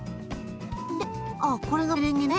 であこれがメレンゲね。